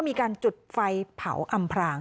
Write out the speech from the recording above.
ไม่รู้จริงว่าเกิดอะไรขึ้น